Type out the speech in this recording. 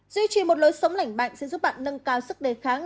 duy trì một lối sống lảnh bệnh sẽ giúp bạn nâng cao sức đề kháng